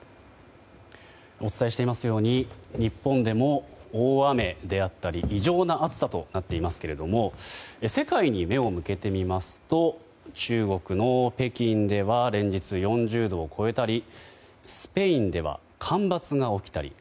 お伝えしていますように日本でも大雨であったり異常な暑さとなっていますけれども世界に目を向けてみますと中国の北京では連日４０度を超えたりスペインでは干ばつが起きたり。